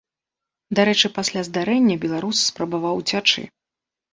Дарэчы, пасля здарэння беларус спрабаваў уцячы.